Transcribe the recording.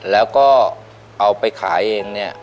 แล้วก็เอาไปขายเองเนี่ย